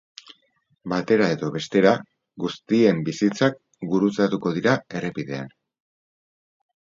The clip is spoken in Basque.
Batera edo bestera, guztien bizitzak gurutzatuko dira errepidean.